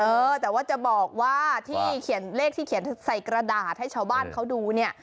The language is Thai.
เออแต่ว่าจะบอกว่าที่เขียนเลขที่เขียนใส่กระดาษให้ชาวบ้านเขาดูเนี่ย